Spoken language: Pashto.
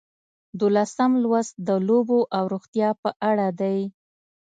دولسم لوست د لوبو او روغتیا په اړه دی.